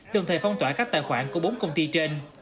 đồng thời phong tỏa các tài khoản của bốn công ty trên